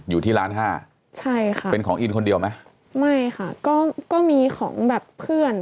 อยู่ที่ล้านห้าใช่ค่ะเป็นของอินคนเดียวไหมไม่ค่ะก็ก็มีของแบบเพื่อน